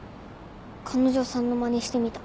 彼女さんのまねしてみた。